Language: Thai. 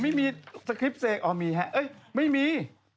มีสกรีปเศกอ้่ะมีแห่งไม่มี